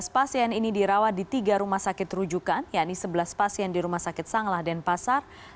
tujuh belas pasien ini dirawat di tiga rumah sakit rujukan yakni sebelas pasien di rumah sakit sanglah denpasar